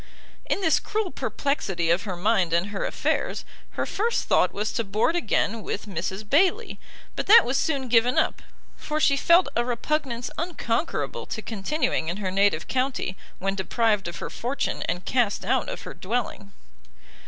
In this cruel perplexity of her mind and her affairs, her first thought was to board again with Mrs Bayley; but that was soon given up, for she felt a repugnance unconquerable to continuing in her native county, when deprived of her fortune, and cast out of her dwelling.